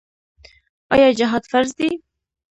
آیا جهاد فرض دی؟